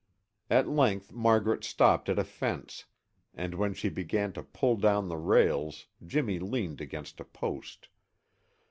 At length Margaret stopped at a fence, and when she began to pull down the rails Jimmy leaned against a post.